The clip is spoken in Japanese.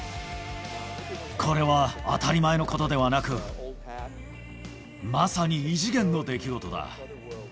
これは当たり前のことではなく、まさに異次元の出来事だ。